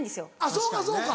そうかそうか。